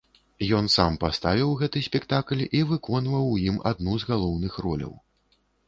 Ён сам паставіў гэты спектакль і выконваў у ім адну з галоўных роляў.